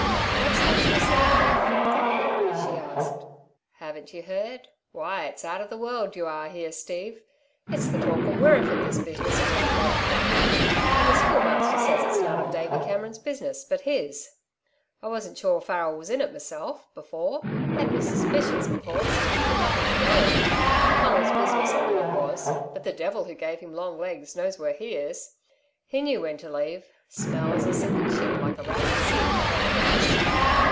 "What's that you were saying about father?" she asked. "Haven't you heard? Why it's out of the world you are here, Steve. It's the talk of Wirreeford this business of young Davey duffin'! And the Schoolmaster says it's none of Davey Cameron's business, but his. I wasn't sure Farrel was in it meself, before had me suspicions of course but nothing to go on. Conal's business I knew it was; but the devil who gave him long legs knows where he is. He knew when to leave. Smells a sinking ship like a rat at sea, Conal does."